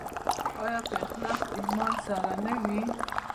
آیا په اخلاص او ایمان سره نه وي؟